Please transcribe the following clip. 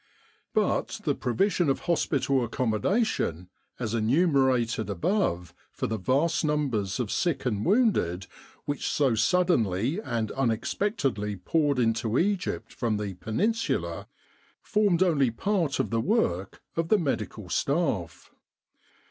But the provision of hospital accommodation, as enumerated above, for the vast numbers of sick and wounded which so suddenly and unexpectedly poured into Egypt from the Peninsula, formed only part of the work of the Medical Staff.